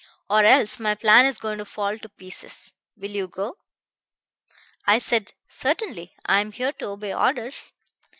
Or else my plan is going to fall to pieces. Will you go?' I said, 'Certainly. I am here to obey orders.'